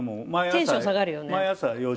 テンション下がるよね。